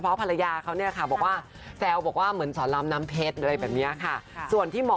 ผนตามันแทงอ่ะลี